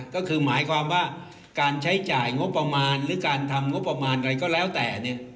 ก็คือหมายความว่าการใช้จ่ายงบประมาณหรือการทำงบประมาณอะไรก็แล้วแต่